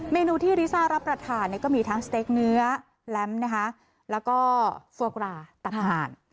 เมนูที่ลิซ่ารับประถานก็มีทั้งสเต๊กเนื้อแล้วก็ฟัวกุระตัดผ่าน